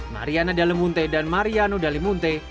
mariana dalimunte dan mariano dalimunte